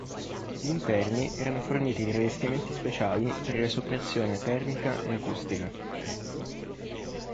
Gli interni erano forniti di rivestimenti speciali per la soppressione termica e acustica.